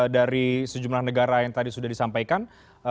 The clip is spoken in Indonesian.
dari sejumlah negara yang tadi sudah disampaikan